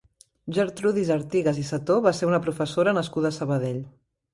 Gertrudis Artigas i Setó va ser una professora nascuda a Sabadell.